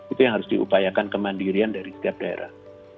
itu yang harus diupayakan kemandirian dari setiap daerah